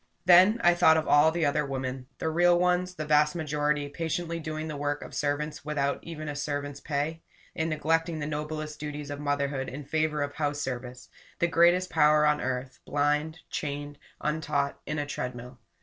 Then I thought of all the other women, the real ones, the vast majority, patiently doing the work of servants without even a servant's pay and neglecting the noblest duties of motherhood in favor of house service; the greatest power on earth, blind, chained, untaught, in a treadmill.